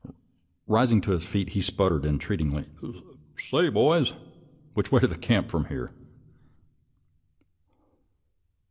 Rising to his feet, he sputtered entreatingly, " Say, boys! which way is the camp from here?